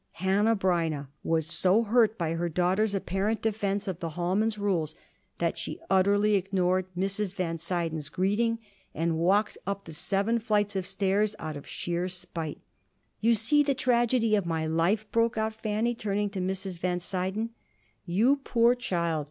Hanneh Breineh was so hurt by her daughter's apparent defense of the hallman's rules that she utterly ignored Mrs. Van Suyden's greeting and walked up the seven flights of stairs out of sheer spite. "You see the tragedy of my life?" broke out Fanny, turning to Mrs. Van Suyden. "You poor child!